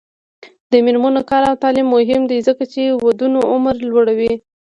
د میرمنو کار او تعلیم مهم دی ځکه چې ودونو عمر لوړوي.